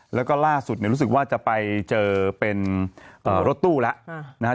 แล้วก็ล่าสุดรู้สึกว่าจะไปเจอเป็นรถตู้แล้วนะครับ